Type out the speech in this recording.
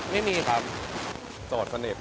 ไม่มีครับโจทย์สนิท